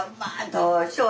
どうしよう。